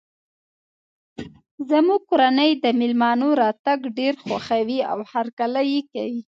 زموږ کورنۍ د مېلمنو راتګ ډیر خوښوي او هرکلی یی کوي